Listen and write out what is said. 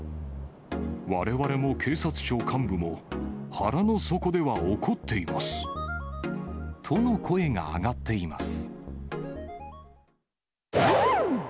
われわれも警察庁幹部も、との声が上がっています。